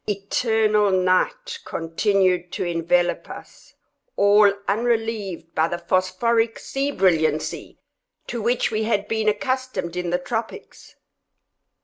Eternal night continued to envelop us, all unrelieved by the phosphoric sea brilliancy to which we had been accustomed in the tropics.